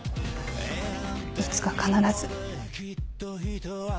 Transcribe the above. いつか必ず。